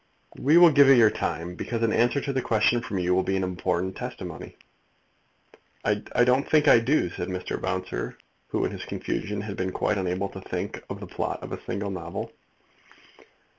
"We will give you your time, because an answer to the question from you will be important testimony." "I don't think I do," said Mr. Bouncer, who in his confusion had been quite unable to think of the plot of a single novel.